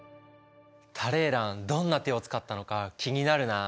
タレーランどんな手を使ったのか気になるな。